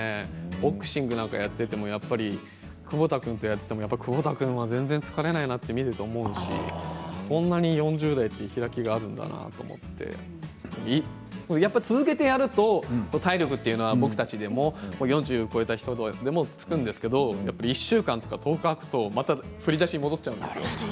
ボクシングなんかやっていてもやっぱり窪田君とやっていても、窪田君は全然疲れないなと見ると思うしこんなに４０代って開きがあるんだなと思うしやっぱり続けてやると体力というのは僕たちでも４０を超えた人でもつくんですけれど、１週間とか１０日ごとにまた振り出しに戻っちゃうんですよ。